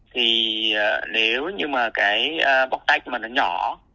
thì nếu như mà cái bóc tách mà nó nhỏ